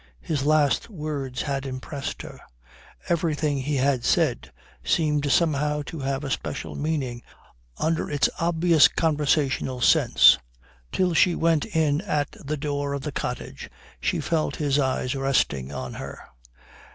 His last words had impressed her. Everything he had said seemed somehow to have a special meaning under its obvious conversational sense. Till she went in at the door of the cottage she felt his eyes resting on her.